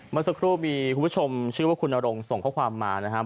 เมื่อสักครู่มีคุณผู้ชมชื่อว่าคุณนรงส่งข้อความมานะครับ